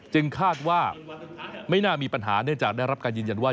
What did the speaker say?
คาดว่าไม่น่ามีปัญหาเนื่องจากได้รับการยืนยันว่า